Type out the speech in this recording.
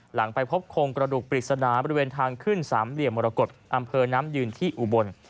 หลังไปพบโครงกระดูกปริศนาบริเวณทางขึ้นสามเหลี่ยมมรกฏอำเภอน้ำยืนที่อุบล